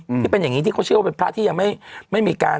ที่เป็นอย่างงี้ที่เขาเชื่อว่าเป็นพระที่ยังไม่ไม่มีการ